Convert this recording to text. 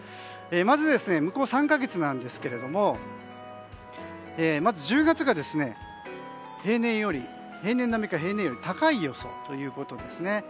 まず向こう３か月ですがまず１０月が平年並みか平年より高い予想ということですね。